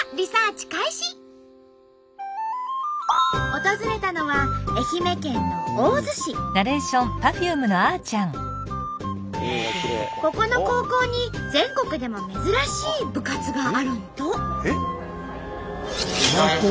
訪れたのはここの高校に全国でも珍しい部活があるんと。